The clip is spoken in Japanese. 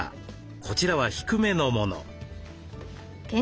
こちらは低めのもの。